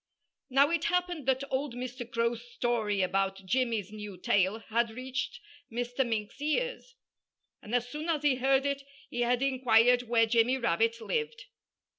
Now, it happened that old Mr. Crow's story about Jimmy's new tail had reached Mr. Mink's ears. And as soon as he heard it he had inquired where Jimmy Rabbit lived.